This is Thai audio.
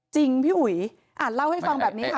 จริงพี่อุ๋ยอ่านเล่าให้ฟังแบบนี้ค่ะ